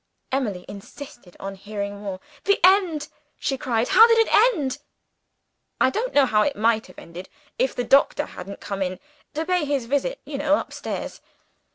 Emily insisted on hearing more. "The end!" she cried. "How did it end?" "I don't know how it might have ended, if the doctor hadn't come in to pay his visit, you know, upstairs.